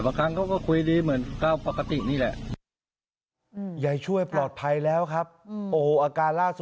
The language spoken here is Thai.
บางครั้งก็หลง